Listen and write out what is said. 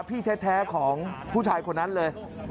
พี่แท้ของผู้ชายคนนั้นเลย